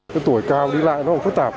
cái tuổi cao đi lại nó khó tạp